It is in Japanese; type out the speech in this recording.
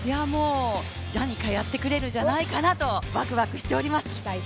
何かやってくれるんじゃないかなとワクワクしております。